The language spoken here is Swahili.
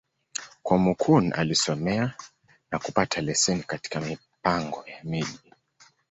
Kúmókụn alisomea, na kupata leseni katika Mipango ya Miji.